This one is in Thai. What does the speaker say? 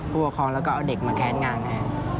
ผู้ปกครองแล้วก็เอาเด็กมาแค้นงานแทน